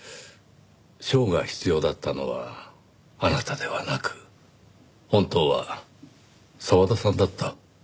賞が必要だったのはあなたではなく本当は澤田さんだった。